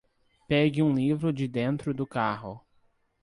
Pegue um livro de dentro do carro